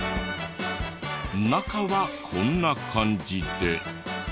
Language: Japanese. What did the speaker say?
中はこんな感じで。